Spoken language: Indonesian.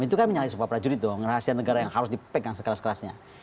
itu kan menyalahi para jurid dong rahasian negara yang harus dipegang sekelas kelasnya